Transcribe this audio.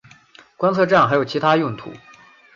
观测站还有其它用途。